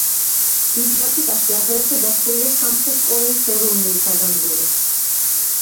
ბიბლიოთეკაში აგრეთვე დაცულია სამხრეთ კორეის ეროვნული საგანძური.